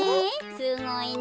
すごいね。